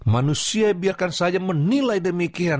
manusia biarkan saja menilai demikian